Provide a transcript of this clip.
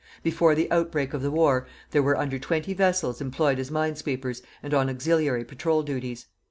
Before the outbreak of the war there were under 20 vessels employed as minesweepers and on auxiliary patrol duties.